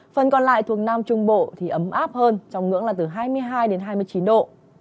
phần còn lại thuộc nam trung bộ thì ấm áp hơn trong ngưỡng là từ hai mươi hai đến hai mươi chín độ